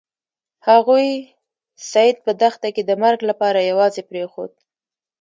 هغوی سید په دښته کې د مرګ لپاره یوازې پریښود.